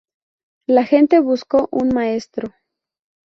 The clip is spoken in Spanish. La gente buscó un maestro.